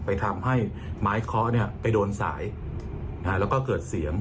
ทำให้ไม้เคาะไปโดนสายแล้วก็เกิดเสียง